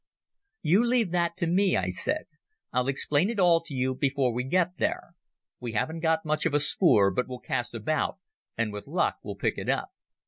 "You leave that to me," I said; "I'll explain it all to you before we get there. We haven't got much of a spoor, but we'll cast about, and with luck will pick it up.